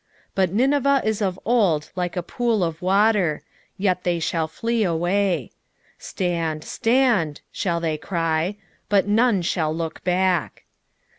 2:8 But Nineveh is of old like a pool of water: yet they shall flee away. Stand, stand, shall they cry; but none shall look back.